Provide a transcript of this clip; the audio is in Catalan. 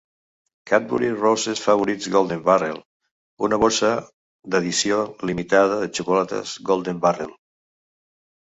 Cadbury Roses Favourites Golden Barrel: una bossa d'edició limitada de xocolates Golden Barrel.